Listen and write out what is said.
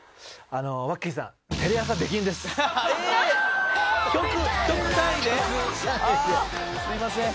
ああすいません。